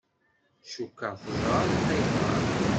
Cukkeɣ teẓramt ayɣer.